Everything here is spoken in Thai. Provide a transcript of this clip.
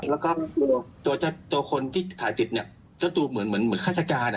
และก็ตัวคนที่ถ่ายจิตก็ดูเหมือนฆาตการ